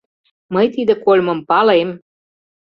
Мый тиде кольмым палем...